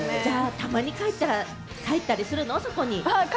たまに帰ったりするの？